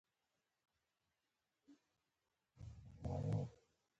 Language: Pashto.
له مصدره د فعل ډولونه جوړیږي.